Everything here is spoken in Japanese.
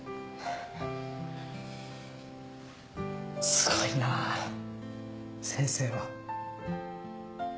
すごいなぁ先生は。